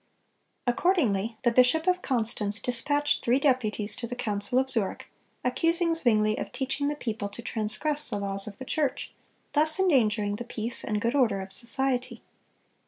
Accordingly the bishop of Constance dispatched three deputies to the Council of Zurich, accusing Zwingle of teaching the people to transgress the laws of the church, thus endangering the peace and good order of society.